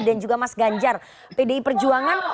dan juga mas ganjar pdi perjuangan